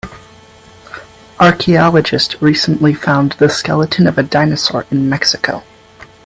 Archaeologists recently found the skeleton of a dinosaur in Mexico.